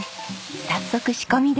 早速仕込みです。